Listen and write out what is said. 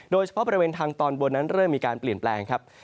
โดยเฉพาะบริเวณทางตอนบนนั้นเริ่มมีการเปลี่ยนแปลงครับ